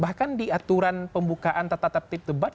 bahkan di aturan pembukaan tata tata tip debat